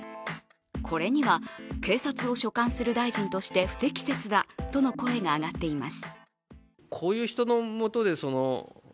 これには警察を所管する大臣として不適切だとの声が上がっています。